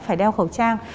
phải đeo khẩu trang